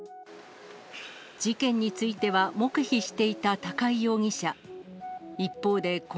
事件については黙秘していた高井容疑者。